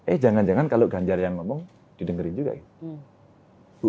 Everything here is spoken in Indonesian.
eh jangan jangan kalau ganjar yang ngomong didengerin juga gitu